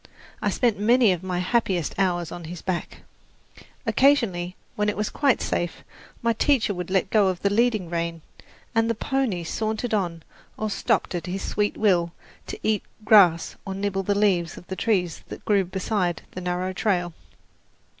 I spent many of my happiest hours on his back. Occasionally, when it was quite safe, my teacher would let go the leading rein, and the pony sauntered on or stopped at his sweet will to eat grass or nibble the leaves of the trees that grew beside the narrow trail.